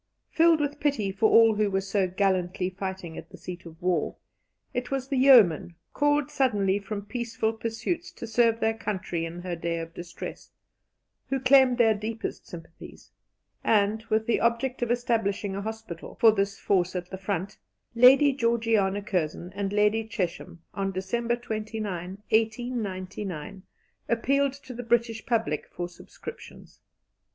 Filled with pity for all who were so gallantly fighting at the seat of war, it was the yeomen called suddenly from peaceful pursuits to serve their country in her day of distress who claimed their deepest sympathies, and, with the object of establishing a hospital for this force at the front, Lady Georgiana Curzon and Lady Chesham, on December 29, 1899, appealed to the British public for subscriptions.